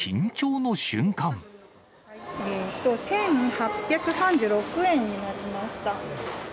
１８３６円になりました。